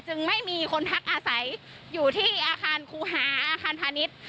ไม่มีคนพักอาศัยอยู่ที่อาคารครูหาอาคารพาณิชย์